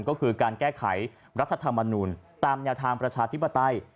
ก็คือการแก้ไขรัฐธรรมนูลตามแนวทางประชาธิปไตย